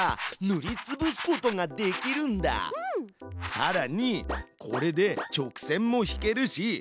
さらにこれで直線も引けるし四角も描ける。